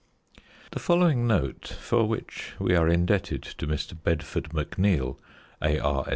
The following note, for which we are indebted to Mr. Bedford McNeill, A.R.